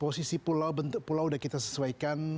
posisi pulau bentuk pulau sudah kita sesuaikan